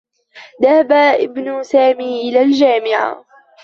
ذهب إبن سامي إلى الجامعة.